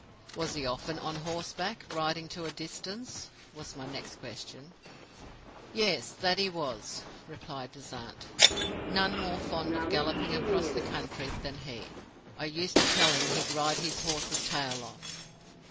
'Was he often on horseback, riding to a distance?' was my next question. 'Yes, that he was,' replied Bezant; 'none more fond of galloping across the country than he; I used to tell him he'd ride his horse's tail off.